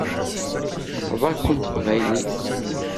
Texḍa-ken teqbaylit.